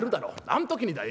あん時にだ。